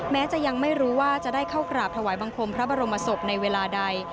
แม้จะยังไม่รู้ว่าจะได้เข้ากราบถวายบังคมพระบรมศพในเวลาใด